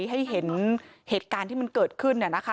ให้เห็นเหตุการณ์ที่มันเกิดขึ้นเนี่ยนะคะ